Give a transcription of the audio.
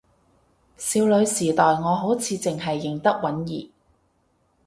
少女時代我好似淨係認得允兒